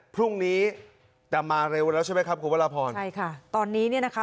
พรุ่งนี้จะมาเร็วแล้วใช่ไหมครับคุณวรพรใช่ค่ะตอนนี้เนี่ยนะคะ